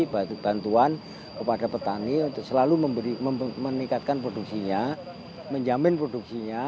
bantuan kepada petani untuk selalu meningkatkan produksinya menjamin produksinya